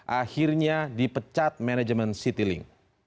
akhirnya dipecat manajemen citylink